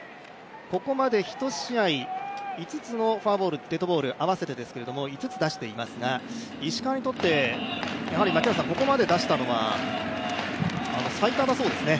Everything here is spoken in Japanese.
ここまで１試合、フォアボール、デッドボール、合わせてですけど５つ出していますが石川にとって、ここまで出したのは最多だそうですね。